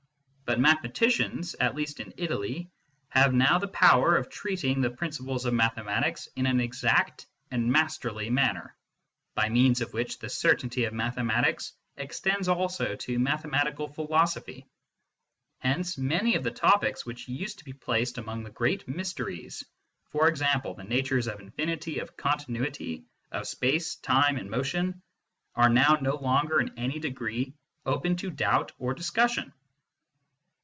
But mathematicians, at least in Italy, have now the power ol treating the principles of mathematics in an exact and masterly manner, by means of which the certainty of mathematics extends also to mathematical philosophy. Hence many of the topics which used to be placed among the great mysteries for example, the natures of infinity, of continuity, of space, time and motion are now no longer in any degree open to doubt or discussion.